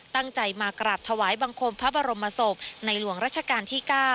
ตั้งใจมากราบถวายบังคมพระบรมศพในหลวงรัชกาลที่๙